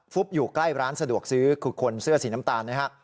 อยู่ใกล้ร้านสะดวกซื้อคือคนเสื้อสีน้ำตาลนะฮะ